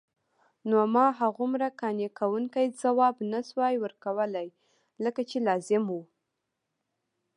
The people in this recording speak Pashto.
نو ما هغومره قانع کوونکی ځواب نسوای ورکولای لکه چې لازم وو.